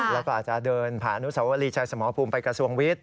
แล้วก็อาจจะเดินผ่านอนุสาวรีชายสมภูมิไปกระทรวงวิทย์